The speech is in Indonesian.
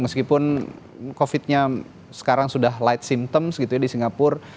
meskipun covidnya sekarang sudah light symptoms gitu ya di singapur